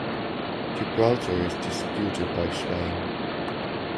Gibraltar is disputed by Spain.